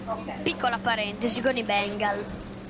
Piccola parentesi con i Bengals.